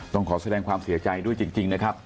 ต้องขอแสดงความเสียใจด้วยจริงนะครับ